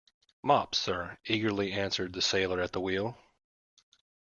Mops, sir, eagerly answered the sailor at the wheel.